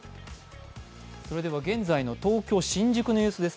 現在の東京・新宿の様子です